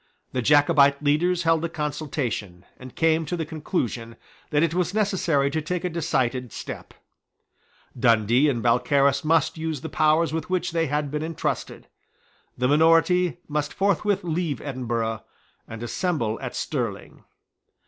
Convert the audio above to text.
The Jacobite leaders held a consultation, and came to the conclusion that it was necessary to take a decided step. Dundee and Balcarras must use the powers with which they had been intrusted. The minority must forthwith leave Edinburgh and assemble at Stirling.